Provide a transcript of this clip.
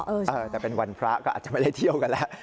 เออแต่เป็นวันพระก็อาจจะไม่ได้เที่ยวกันแล้ว